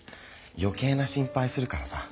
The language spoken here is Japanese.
よけいな心配するからさ。